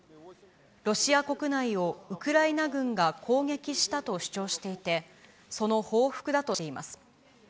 ロシア国内をウクライナ軍が攻撃したと主張していて、その報復だとしています。